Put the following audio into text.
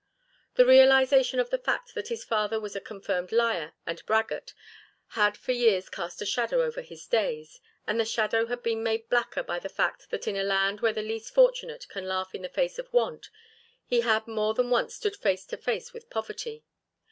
The realisation of the fact that his father was a confirmed liar and braggart had for years cast a shadow over his days and the shadow had been made blacker by the fact that in a land where the least fortunate can laugh in the face of want he had more than once stood face to face with poverty.